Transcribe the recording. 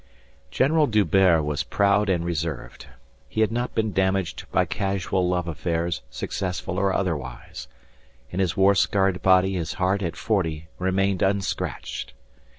General D'Hubert was proud and reserved. He had not been damaged by casual love affairs successful or otherwise. In his war scarred body his heart at forty remained unscratched.